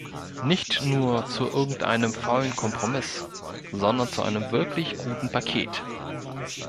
Nicht nur zu irgend einem faulen Kompromiss, sondern zu einem wirklich guten Paket!